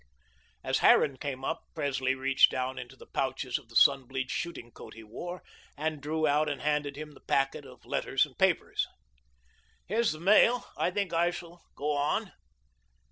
As Harran came up, Presley reached down into the pouches of the sun bleached shooting coat he wore and drew out and handed him the packet of letters and papers. "Here's the mail. I think I shall go on."